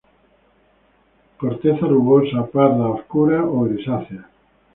Corteza rugosa, parda-obscura o grisácea.